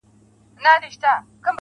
o زما کار نسته بُتکده کي؛ تر کعبې پوري.